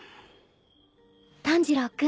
炭治郎君。